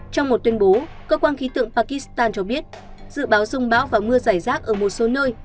trong một tuyên bố cơ quan khí tượng pakistan cho biết dự báo dung bão và mưa giải rác ở một số nơi